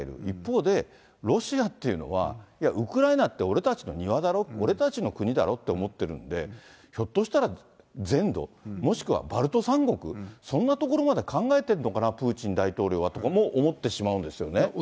一方で、ロシアっていうのは、いや、ウクライナって俺たちの庭だろ、俺たちの国だろって思ってるんで、ひょっとしたら全土、バルト三国、そんなところまで考えてるのかな、プーチン大統領はとかも思ってしまうんですよね。